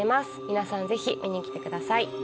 皆さん是非見に来てください